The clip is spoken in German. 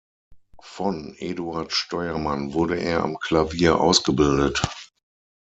Von Eduard Steuermann wurde er am Klavier ausgebildet.